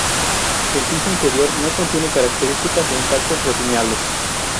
El piso interior no contiene características o impactos reseñables.